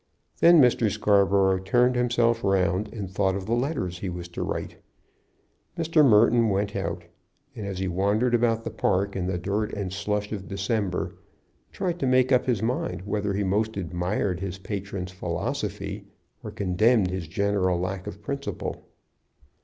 Then Mr. Scarborough turned himself round and thought of the letters he was to write. Mr. Merton went out, and as he wandered about the park in the dirt and slush of December tried to make up his mind whether he most admired his patron's philosophy or condemned his general lack of principle.